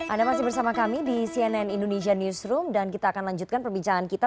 anda masih bersama kami di cnn indonesia newsroom dan kita akan lanjutkan perbincangan kita